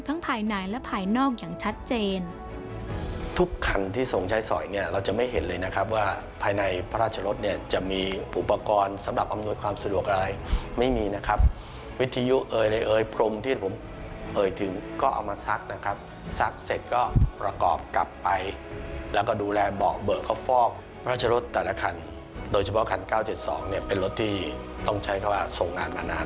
ทั้งภายในและภายนอกอย่างชัดเจน